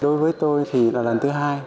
đối với tôi thì là lần thứ hai